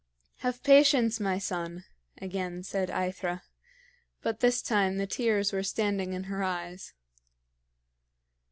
"Have patience, my son," again said AEthra; but this time the tears were standing in her eyes.